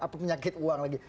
apa penyakit uang lagi